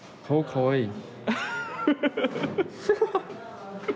・かわいい。